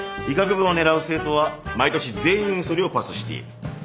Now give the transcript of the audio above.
医学部を狙う生徒は毎年全員それをパスしている。